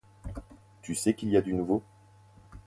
Tu sais qu'il y a du nouveau.